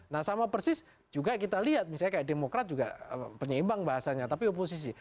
nah sama persis juga kita lihat misalnya kayak demokrat juga penyeimbang bahasanya tapi oposisi